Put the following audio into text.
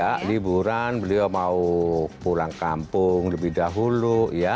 ya liburan beliau mau pulang kampung lebih dahulu ya